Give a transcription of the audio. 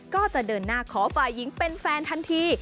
ก็จะเดินหน้าขอฝ่ายหญิงเป็นแฟนทันที